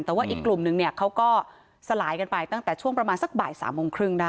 แต่ว่าอีกกลุ่มนึงเนี่ยเขาก็สลายกันไปตั้งแต่ช่วงประมาณสักบ่าย๓โมงครึ่งได้